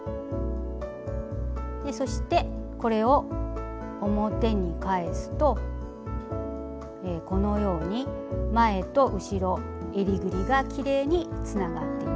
そしてこれを表に返すとこのように前と後ろえりぐりがきれいにつながっています。